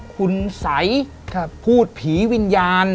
คุณสัยพูดผีวิญญาณ